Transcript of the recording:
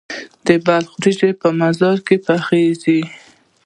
د بلخ وریجې په مزار کې پخیږي.